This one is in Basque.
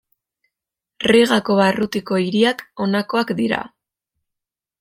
Rigako barrutiko hiriak honakoak dira.